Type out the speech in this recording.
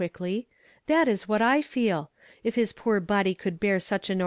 quiCKly, "that IS What 1 feel, Jf h,s poor body could bear such an